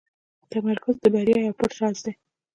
تمرکز د بریا یو پټ راز دی.